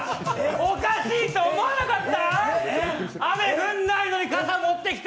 おかしいと思わなかった！？